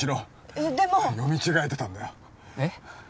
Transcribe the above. えっでも読み違えてたんだよえっ？